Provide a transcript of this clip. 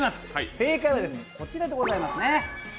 正解はこちらでございます。